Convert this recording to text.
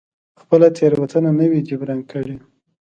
خپله تېروتنه نه وي جبران کړې.